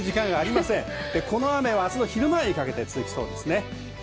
この雨はあすの昼前にかけて続きそうです。